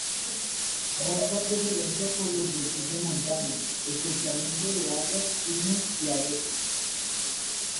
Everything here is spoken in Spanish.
Muestra preferencia por los bosques de montaña, especialmente de hayas, pinos y abetos.